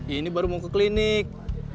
ini baru mau ke klinik